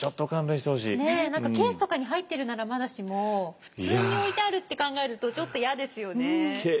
ねえ何かケースとかに入ってるならまだしも普通に置いてあるって考えるとちょっと嫌ですよね。